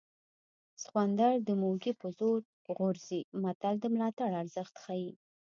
سخوندر د موږي په زور غورځي متل د ملاتړ ارزښت ښيي